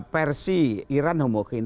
persi iran humuhin